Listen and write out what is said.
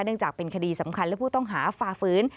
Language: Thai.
จากเป็นคดีสำคัญและผู้ต้องหาฝ่าฝืน